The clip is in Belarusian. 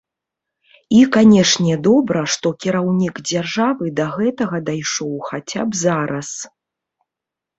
І, канешне, добра, што кіраўнік дзяржавы да гэтага дайшоў хаця б зараз.